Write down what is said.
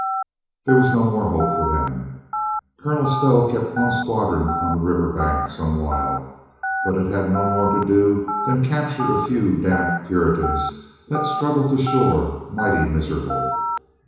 There was no more hope for them. Colonel Stow kept one squadron on the river bank some while, but it had no more to do than capture a few damp Puri tans that struggled to shore mighty miserable.